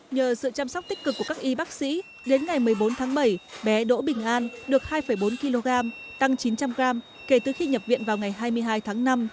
nhờ sự chăm sóc tích cực của các y bác sĩ đến ngày một mươi bốn tháng bảy bé đỗ bình an được hai bốn kg tăng chín trăm linh gram kể từ khi nhập viện vào ngày hai mươi hai tháng năm